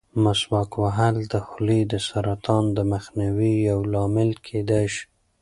مسواک وهل د خولې د سرطان د مخنیوي یو لامل کېدای شي.